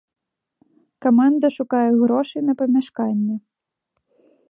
Каманда шукае грошы на памяшканне.